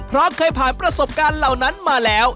เพราะเคยผ่านประสบการณ์เหล่านั้นมาแล้ว